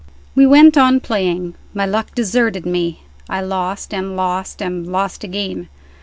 We went on playing. My luck deserted me; I lost, and lost, and lost again.